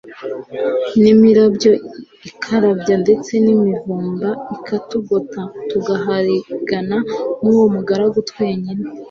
n'imirabyo ikarabya ndetse n'imivumba ikatugota tugaharigana n'uwo mugaru twenyine